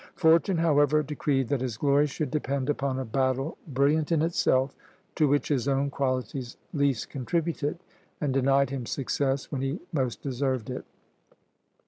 Fortune, however, decreed that his glory should depend upon a battle, brilliant in itself, to which his own qualities least contributed, and denied him success when he most deserved it.